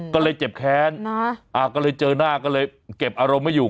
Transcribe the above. ก็เลยเจ็บแค้นก็เลยเจอหน้าก็เลยเก็บอารมณ์ไม่อยู่